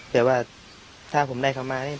แต่ว่าถ้าผมได้เขามานี่